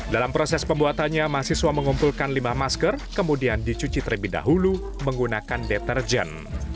dalam proses pembuatannya mahasiswa mengumpulkan lima masker kemudian dicuci terlebih dahulu menggunakan deterjen